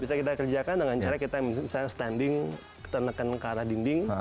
bisa kita kerjakan dengan misalnya kita standing kita neken ke arah dinding